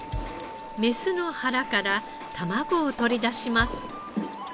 メスの腹から卵を取り出します。